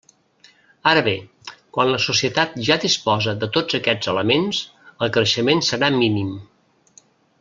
Ara bé, quan la societat ja disposa de tots aquests elements, el creixement serà mínim.